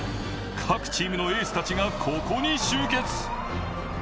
各チームのエースたちがここに集結。